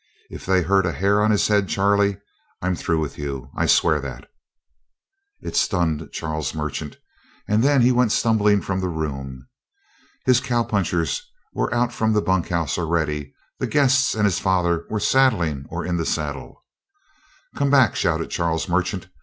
"If they hurt a hair of his head, Charlie, I'm through with you. I'll swear that!" It stunned Charles Merchant. And then he went stumbling from the room. His cow punchers were out from the bunk house already; the guests and his father were saddling or in the saddle. "Come back!" shouted Charles Merchant.